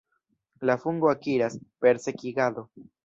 La fungo akiras, per sekigado.